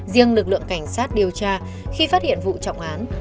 riêng lực lượng cảnh sát điều tra khi phát hiện vụ trọng án